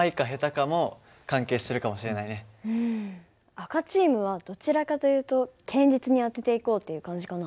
赤チームはどちらかというと堅実に当てていこうっていう感じかな。